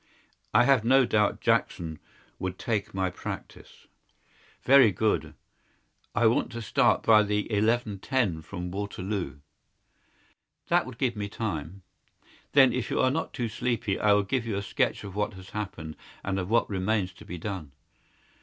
"I have no doubt Jackson would take my practice." "Very good. I want to start by the 11.10 from Waterloo." "That would give me time." "Then, if you are not too sleepy, I will give you a sketch of what has happened, and of what remains to be done."